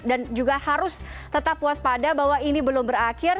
dan juga harus tetap puas pada bahwa ini belum berakhir